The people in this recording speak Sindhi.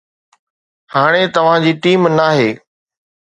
هاڻي توهان جي ٽيم ناهي